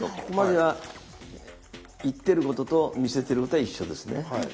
ここまでは言ってることと見せてることは一緒ですね。